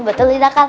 betul tidak kak